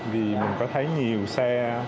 vì mình có thấy nhiều xe